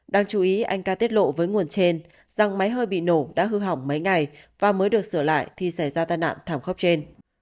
đang chú ý anh ca tiết lộ với nguồn trên rằng máy hơi bị nổ đã hư hỏng mấy ngày và mới được sửa lại thì xảy ra tai nạn thảm khốc trên